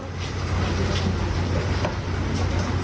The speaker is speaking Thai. โทษครับโทษ